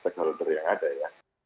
stakeholder yang ada ya